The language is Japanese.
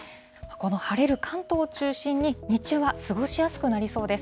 この晴れる関東を中心に、日中は過ごしやすくなりそうです。